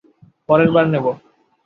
পরের বার নেবো।